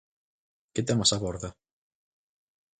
Que temas aborda?